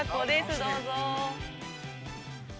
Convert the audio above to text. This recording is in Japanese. どうぞ。